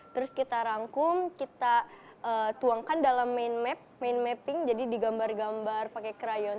terus kita rangkum kita tuangkan dalam main mapping jadi digambar gambar pakai crayon